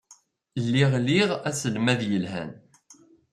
Lliɣ liɣ aselmad yelhan.